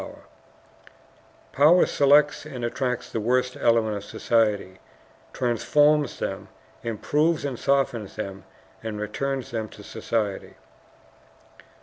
Power selects and attracts the worst elements of society, transforms them, improves and softens them, and returns them to society.